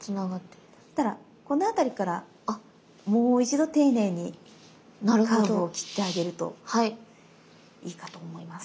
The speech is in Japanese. そしたらこの辺りからもう一度丁寧にカーブを切ってあげるといいかと思います。